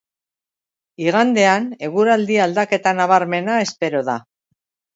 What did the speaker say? Igandean eguraldi aldaketa nabarmena espero da.